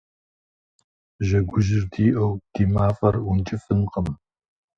Жьэгужьыр диӏэу ди мафӏэр ункӏыфӏынкъым.